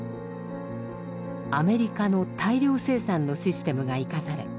アメリカの大量生産のシステムが生かされ